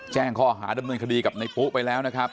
แจ้งข้อหาดำเนินคดีกับในปุ๊ไปแล้วนะครับ